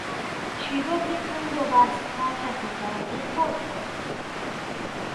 چیرۆکێکم بۆ باس بکە کە کۆتایییەکەی خۆش بێت.